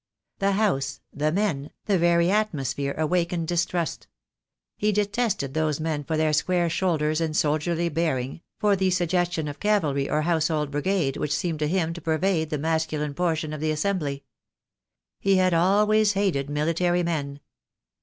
The house, the men, the very atmosphere awakened distrust. He detested those men for their square shoulders and soldierly bearing, for the suggestion of cavalry or household brigade which seemed to him to pervade the masculine portion of the assembly. He had always hated military men.